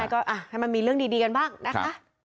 ก็ให้มันมีเรื่องดีกันบ้างนะคะ